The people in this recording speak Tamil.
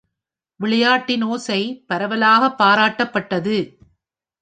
விளையாட்டின் ஓசை பரவலாக பாராட்டப்பட்டது.